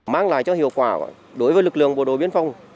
mang lại cho hiệu quả đối với lực lượng bộ đội biên phòng